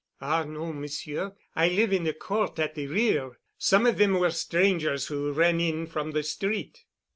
"Ah no, Monsieur. I live in the Court at the rear. Some of them were strangers who ran in from the street."